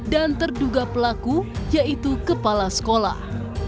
dan terduga pelaku yaitu kepala sekolah